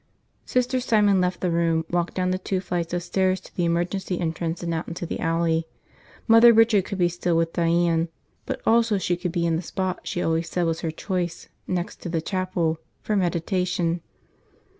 ... Sister Simon left the room, walked down the two flights of stairs to the emergency entrance and out into the alley. Mother Richard could still be with Diane; but also she could be in the spot she always said was her choice, next to the chapel, for meditation.